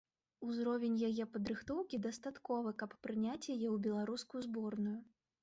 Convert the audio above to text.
Узровень яе падрыхтоўкі дастатковы, каб прыняць яе ў беларускую зборную.